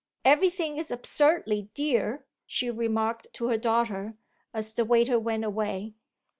"Everything's absurdly dear," she remarked to her daughter as the waiter went away.